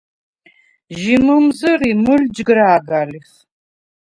ჟი მჷმზჷრი მჷლჯგჷრა̄გა ლიხ.